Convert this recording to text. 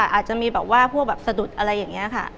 อาจจะมีแบบว่าพวกแบบสะดุดอะไรอย่างนี้ค่ะ